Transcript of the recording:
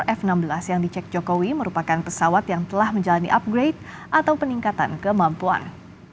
f enam belas yang dicek jokowi merupakan pesawat yang telah menjalani upgrade atau peningkatan kemampuan